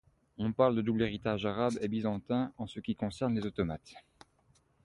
On parle de double héritage arabe et byzantin en ce qui concerne les automates.